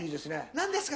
何ですか？